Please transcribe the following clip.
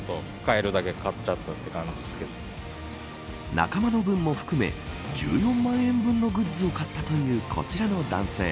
仲間の分も含め１４万円分のグッズを買ったというこちらの男性。